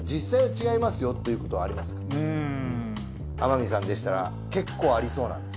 天海さんでしたら結構ありそうなんですよ。